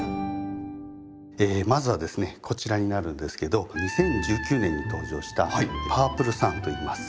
まずはですねこちらになるんですけど２０１９年に登場した‘パープルサン’。